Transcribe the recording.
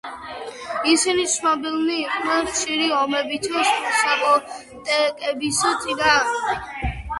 ისინი ცნობილნი იყვნენ ხშირი ომებით საპოტეკების წინააღმდეგ.